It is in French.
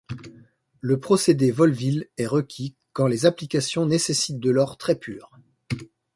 Le procédé Wohlwill est requis quand les applications nécessitent de l'or très pur.